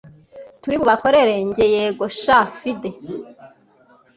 turi bubakorere Njye yego sha fide